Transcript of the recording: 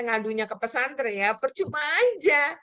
ngadunya ke pesantren ya percuma aja